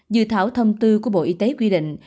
dự thảo thông tư của bộ y tế quy định